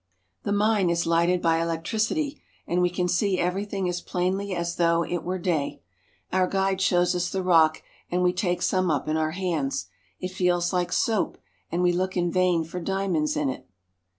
The mine is lighted by electricity, and we can see every thing as plainly as though it were day. Our guide shows us the rock, and we take some up in our hands. It feels like soap, and we look in vain for diamonds in it.